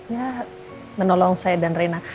ya menolong saya dan rena